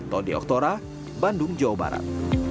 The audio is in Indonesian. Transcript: todi oktora bandung jawa barat